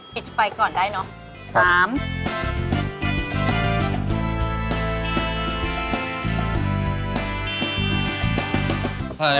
ปิดไฟก่อนได้เนอะ